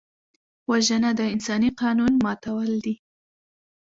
وژنه د انساني قانون ماتول دي